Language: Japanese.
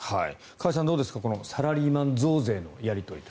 加谷さん、どうですかこのサラリーマン増税のやり取り。